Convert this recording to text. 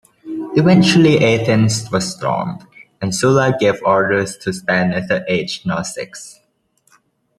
Eventually Athens was stormed, and Sulla gave orders to spare neither age nor sex.